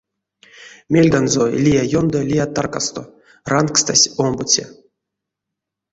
Мельганзо, лия ёндо, лия таркасто, рангстась омбоце.